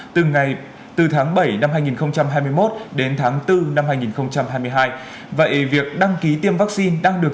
từ ngày bốn tháng bảy năm hai nghìn hai mươi một đến tháng bốn năm hai nghìn hai mươi hai vậy việc đăng ký tiêm vaccine đang được